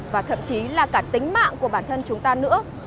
và thậm chí là cả tính mạng của bản thân chúng ta nữa